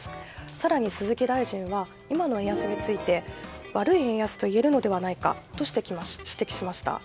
更に鈴木大臣は今の円安について悪い円安と言えるのではないかと指摘しました。